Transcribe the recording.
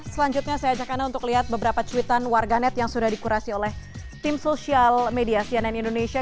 selanjutnya saya ajak anda untuk lihat beberapa cuitan warganet yang sudah dikurasi oleh tim sosial media cnn indonesia